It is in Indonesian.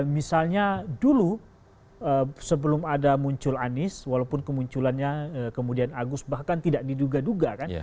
misalnya dulu sebelum ada muncul anies walaupun kemunculannya kemudian agus bahkan tidak diduga duga kan